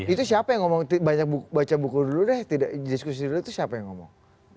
itu siapa yang ngomong banyak baca buku dulu deh tidak diskusi dulu itu siapa yang ngomong